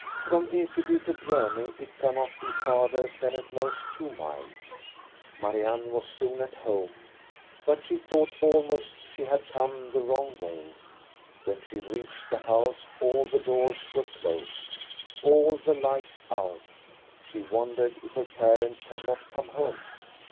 From Ekeby to Bjorne it cannot be farther than at most two miles. Marianne was soon at home, but she thought almost that she had come the wrong way. When she reached the house all the doors were closed, all the lights out; she wondered if her parents had not come home.